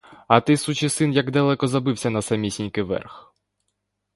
А ти, сучий син, як далеко забився, на самісінький верх!